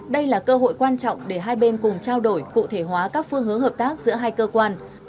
đây là cơ hội quan trọng để hai bên cùng trao đổi cụ thể hóa các phương hướng hợp tác giữa hai cơ quan